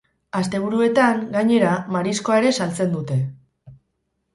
Asteburuetan, gainera, mariskoa ere saltzen dute.